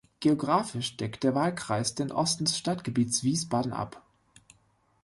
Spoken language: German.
Geografisch deckt der Wahlkreis den Osten des Stadtgebietes Wiesbaden ab.